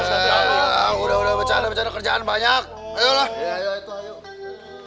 udah udah becanda bencanda kerjaan